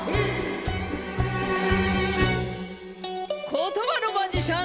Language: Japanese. ことばのマジシャン